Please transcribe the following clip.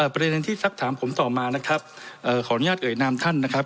ประเด็นที่สักถามผมต่อมานะครับขออนุญาตเอ่ยนามท่านนะครับ